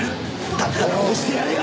だったらこうしてやるよ！